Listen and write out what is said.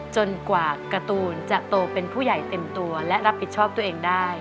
จนกว่าการ์ตูนจะโตเป็นผู้ใหญ่เต็มตัวและรับผิดชอบตัวเองได้